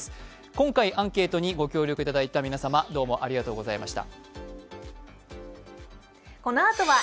今回アンケートにご協力いただいた皆様、どうもありがとうございました。